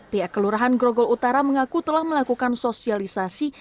tia kelurahan grogel utara mengaku telah melakukan sosialisasi